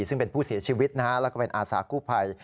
ซึ่งเป็นผู้เสียชีวิตแล้วก็เป็นอาสากู้ภัย